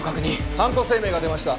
犯行声明が出ました